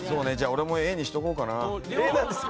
俺もＡにしとこうかな。